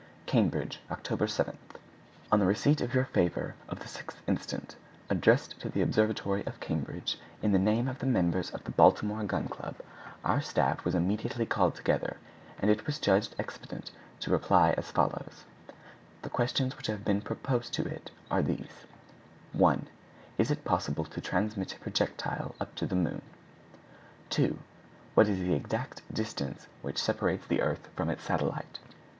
_ CAMBRIDGE, October 7. On the receipt of your favor of the 6th instant, addressed to the Observatory of Cambridge in the name of the members of the Baltimore Gun Club, our staff was immediately called together, and it was judged expedient to reply as follows: The questions which have been proposed to it are these— "1. Is it possible to transmit a projectile up to the moon? "2. What is the exact distance which separates the earth from its satellite?